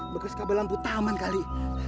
bekas kabel lampu taman kali